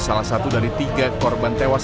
salah satu dari tiga korban tewas